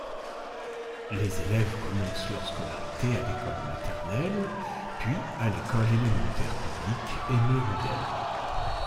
Les élèves commencent leur scolarité à l'école maternelle puis à l'école élémentaire publique Aimé-Rudel.